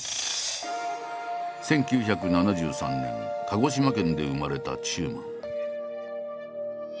１９７３年鹿児島県で生まれた中馬。